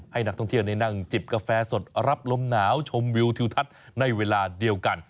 ให้นักท่องเที่ยวได้นั่งจิบกาแฟสดรับลมหนาวชมวิวทิวทัศน์ในเวลาเดียวกัน